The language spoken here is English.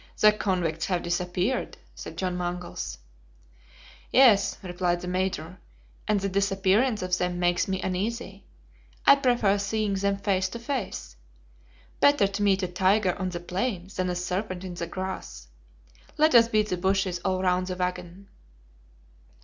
"The convicts have disappeared!" said John Mangles. "Yes," replied the Major; "and the disappearance of them makes me uneasy. I prefer seeing them face to face. Better to meet a tiger on the plain than a serpent in the grass. Let us beat the bushes all round the wagon."